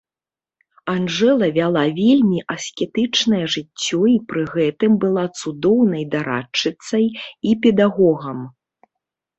Анжэла вяла вельмі аскетычнае жыццё і пры гэтым была цудоўнай дарадчыцай і педагогам.